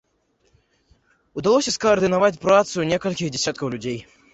Удалося скаардынаваць працу некалькіх дзясяткаў людзей.